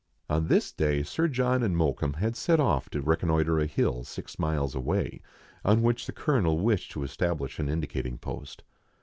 On this day Sir John and Mokoum had set off to reconnoitre a hill six miles away, on which the Colonel wished to establish an indicating post.